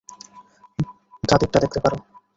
দাদীরটা দেখতে পারো।